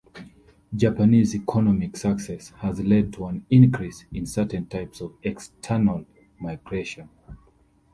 Japanese economic success has led to an increase in certain types of external migration.